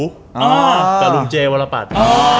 กับลุงเจวรบัตร